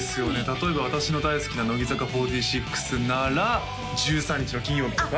例えば私の大好きな乃木坂４６なら「１３日の金曜日」とか？